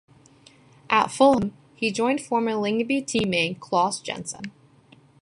At Fulham, he joined former Lyngby team-mate Claus Jensen.